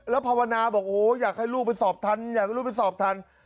แล้วภาวนาบอกโอ้อยากให้ลูกไปสอบทันอยากให้ลูกไปสอบทัน